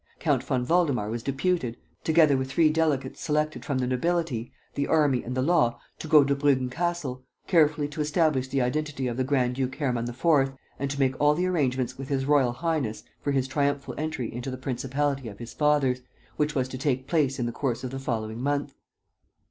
Count von Waldemar was deputed, together with three delegates selected from the nobility, the army and the law, to go to Bruggen Castle, carefully to establish the identity of the Grand duke Hermann IV. and to make all the arrangements with His Royal Highness for his triumphal entry into the principality of his fathers, which was to take place in the course of the following month.